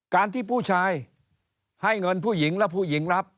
การที่ผู้ชายให้เงินผู้หญิงและผู้หญิงรับ